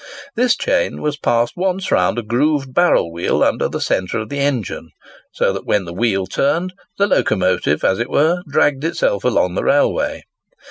This chain was passed once round a grooved barrel wheel under the centre of the engine: so that, when the wheel turned, the locomotive, as it were, dragged itself along the railway.